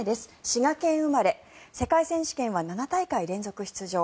滋賀県生まれ世界選手権は７大会連続出場。